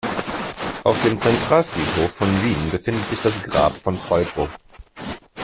Auf dem Zentralfriedhof von Wien befindet sich das Grab von Falco.